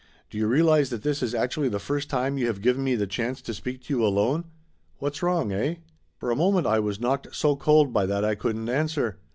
"Do you realize that this is actually the first time you have given me the chance to speak to you alone? What's wrong, eh?" For a moment I was knocked so cold by that I couldn't answer.